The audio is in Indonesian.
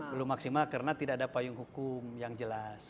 belum maksimal karena tidak ada payung hukum yang jelas